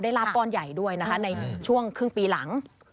ลาบก้อนใหญ่ด้วยนะคะในช่วงครึ่งปีหลัง